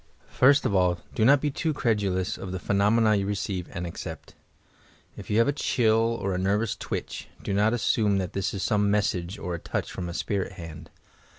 First of all, do not be too credulous of the phenomena you receive and accept. If you have a chill or a nervous twitch, do not assume that this is some message or a touch from a spirit band.